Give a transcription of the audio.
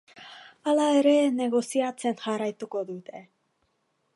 Hala ere, negoziatzen jarraituko dute.